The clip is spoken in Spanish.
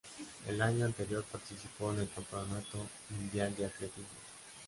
El año anterior participó en el Campeonato Mundial de Atletismo.